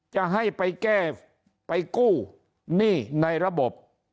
จะให้ไปแก้ไปกู้หนี้ในระบบ